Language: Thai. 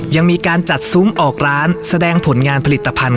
ยังมีการจัดซุ้มออกร้านแสดงผลงานผลิตภัณฑ